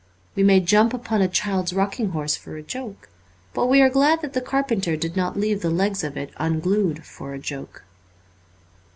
We may jump upon a child's rocking horse for a joke. But we are glad that the carpenter did not leave the legs of it unglued for a joke.